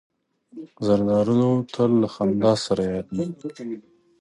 زردالو تل له خندا سره یادیږي.